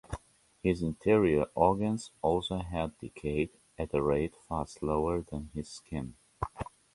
His interior organs also had decayed at a rate far slower than his skin.